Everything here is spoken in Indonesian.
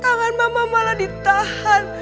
tangan mama malah ditahan